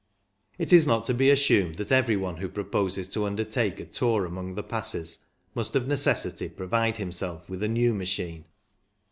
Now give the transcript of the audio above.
It is not to be assumed that every one who proposes to undertake a tour among the Passes must of necessity provide him self with a new machine.